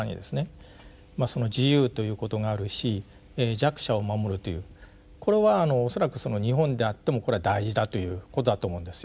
自由ということがあるし弱者を守るというこれは恐らく日本であってもこれは大事だということだと思うんですよ。